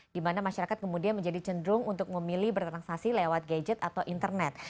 di mana masyarakat kemudian menjadi cenderung untuk memilih bertransaksi lewat gadget atau internet